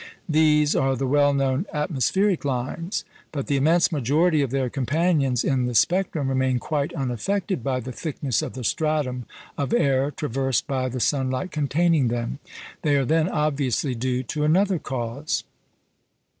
These are the well known "atmospheric lines;" but the immense majority of their companions in the spectrum remain quite unaffected by the thickness of the stratum of air traversed by the sunlight containing them. They are then obviously due to another cause.